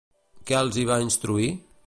Què els hi va instruir?